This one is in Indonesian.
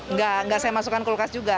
nggak saya masukkan kulkas juga